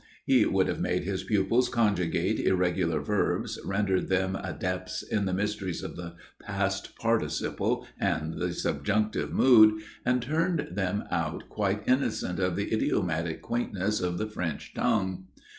He would have made his pupils conjugate irregular verbs, rendered them adepts in the mysteries of the past participle and the subjunctive mood, and turned them out quite innocent of the idiomatic quaintnesses of the French tongue.